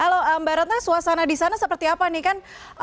halo mbak ratna suasana di sana seperti apa nih kan